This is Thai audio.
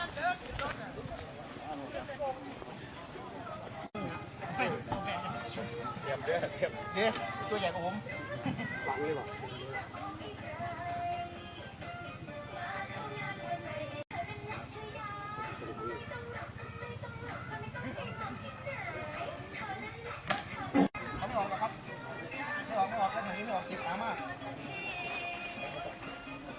เจ็บเจ็บเจ็บเจ็บไม่จะใหญ่กว่าผม